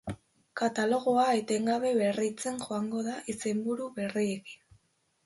Katalogoa etengabe berritzen joango da izenburu berriekin.